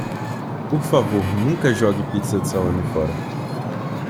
Por favor nunca jogue pizza de salame fora.